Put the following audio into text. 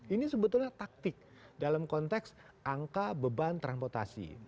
ini sebetulnya taktik dalam konteks angka beban transportasi